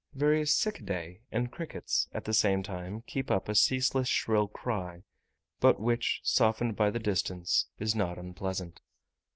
Various cicidae and crickets, at the same time, keep up a ceaseless shrill cry, but which, softened by the distance, is not unpleasant.